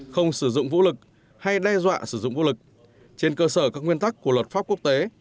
không sử dụng vũ lực hay đe dọa sử dụng vũ lực trên cơ sở các nguyên tắc của luật pháp quốc tế